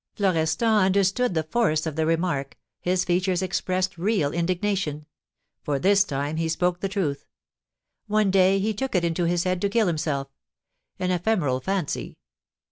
Florestan understood the force of the remark, his features expressed real indignation; for this time he spoke the truth. One day he took it into his head to kill himself, an ephemeral fancy!